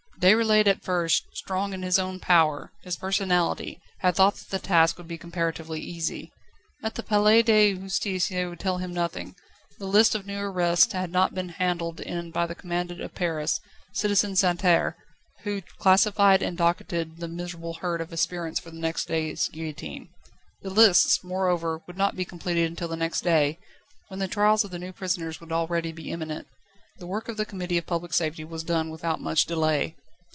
Déroulède at first, strong in his own power, his personality, had thought that the task would be comparatively easy. At the Palais de Justice they would tell him nothing: the list of new arrests had not yet been handled in by the commandant of Paris, Citizen Santerre, who classified and docketed the miserable herd of aspirants for the next day's guillotine. The lists, moreover, would not be completed until the next day, when the trials of the new prisoners would already be imminent. The work of the Committee of Public Safety was done without much delay.